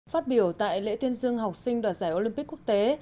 phát biểu tại lễ tuyên dương học sinh đoạt giải olympic quốc tế